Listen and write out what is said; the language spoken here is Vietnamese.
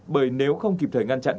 bởi nếu không kịp thời ngăn chặn